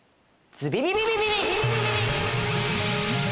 ズビビビビビビ！